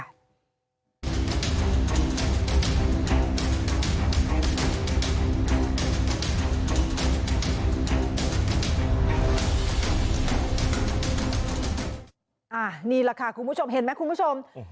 นี่แหละค่ะคุณผู้ชมเห็นไหมคุณผู้ชม